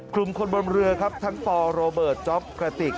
กลุ่มคนบนเรือครับทั้งปโรเบิร์ตจ๊อปกระติก